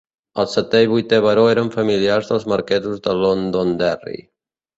El setè i vuitè baró eren familiars dels marquesos de Londonderry.